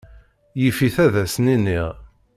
Yif-it ad asen-iniɣ.